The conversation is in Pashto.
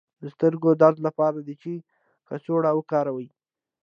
د سترګو درد لپاره د چای کڅوړه وکاروئ